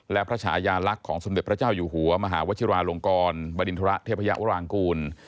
และพระชายาลักษณ์ของสมเด็จพระเจ้าอยู่หัวมหาวชิราลงกรบริณฑระเทพยาวรางกูล